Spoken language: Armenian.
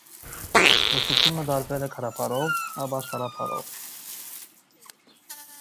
Ուսուցումը տարվել է գրաբարով, ապա՝ աշխարհաբարով։